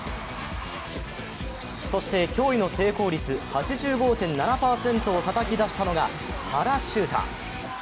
そして、驚異の成功率８５．７％をたたき出したのが原修太。